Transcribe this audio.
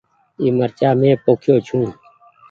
اي مرچآ مين پوکيو ڇون۔